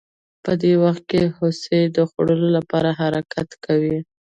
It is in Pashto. په دې وخت کې هوسۍ د خوړو لپاره حرکت کوي